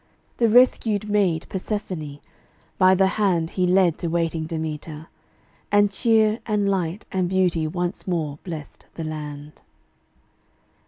The rescued maid, Persephone, by the hand He led to waiting Demeter, and cheer And light and beauty once more blessed the land.